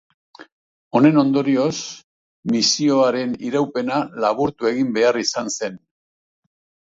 Honen ondorioz, misioaren iraupena laburtu egin behar izan zen.